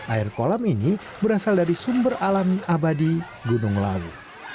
air kolam ini berasal dari sumber alami abadi gunung lawu